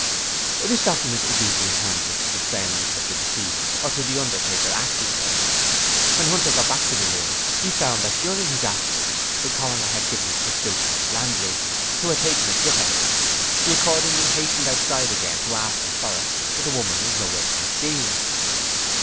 This document is usually handed to the friends of the deceased or to the undertaker acting for them. When Hunter got back to the room he found that during his absence the coroner had given it to Philpot's landlady, who had taken it with her. He accordingly hastened outside again to ask her for it, but the woman was nowhere to be seen.